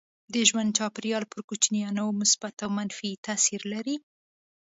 د ژوند چاپيریال پر کوچنیانو مثبت او منفي تاثير لري.